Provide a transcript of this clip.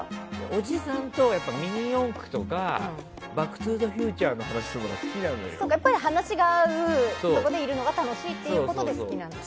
おじさんとミニ四駆とか「バック・トゥ・ザ・フューチャー」の話をするのがやっぱり話が合うところにいるのが楽しいっていうことで好きなんだ。